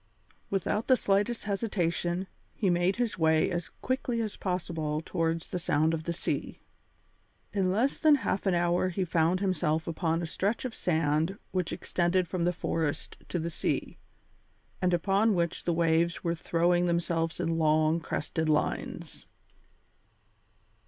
Without the slightest hesitation, he made his way as quickly as possible towards the sound of the sea. In less than half an hour he found himself upon a stretch of sand which extended from the forest to the sea, and upon which the waves were throwing themselves in long, crested lines.